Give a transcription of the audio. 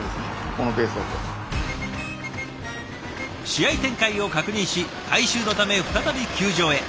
試合展開を確認し回収のため再び球場へ。